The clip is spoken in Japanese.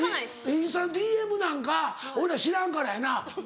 インスタのＤＭなんか俺ら知らんからやな。